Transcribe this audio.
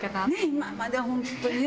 今まで本当にね。